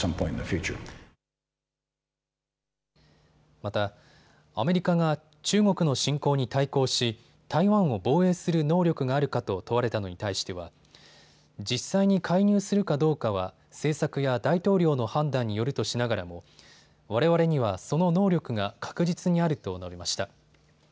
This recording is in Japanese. またアメリカが中国の侵攻に対抗し台湾を防衛する能力があるかと問われたのに対しては実際に介入するかどうかは政策や大統領の判断によるとしながらもわれわれには、その能力が確実にあると述べました。